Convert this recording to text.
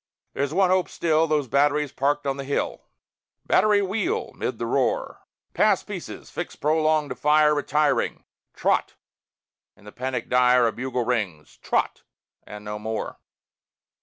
There's one hope, still, Those batteries parked on the hill! "Battery, wheel!" ('mid the roar), "Pass pieces; fix prolonge to fire Retiring. Trot!" In the panic dire A bugle rings "Trot!" and no more.